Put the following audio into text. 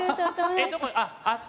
あっ！